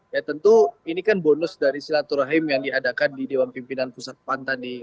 ya tentu ini kan bonus dari silaturahim yang diadakan di dewan pimpinan pusat pan tadi